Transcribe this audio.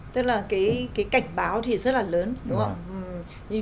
tức là cái cảnh báo thì rất là lớn đúng không